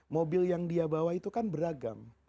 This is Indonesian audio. mobil yang dia bawa itu kan beragam